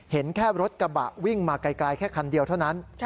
เห็นแค่รถกระบะวิ่งมาไกลแค่คันเดียวเท่านั้น